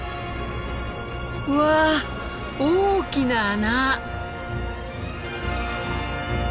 うわ大きな穴。